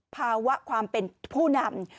ภาวะความเป็นผู้นำ